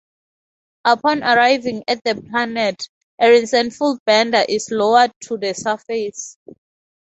Upon arriving at the planet, a resentful Bender is lowered to the surface.